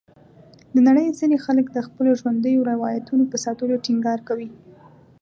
د نړۍ ځینې خلک د خپلو ژوندیو روایتونو په ساتلو ټینګار کوي.